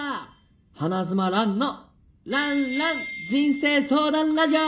花妻蘭のらんらん人生相談ラジオ！